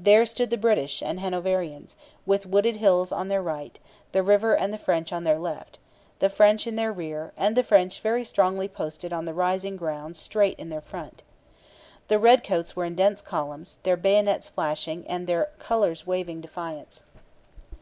There stood the British and Hanoverians, with wooded hills on their right, the river and the French on their left, the French in their rear, and the French very strongly posted on the rising ground straight in their front. The redcoats were in dense columns, their bayonets flashing and their colours waving defiance.